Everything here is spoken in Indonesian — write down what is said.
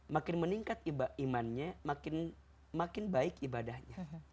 makin meningkat imannya makin baik ibadahnya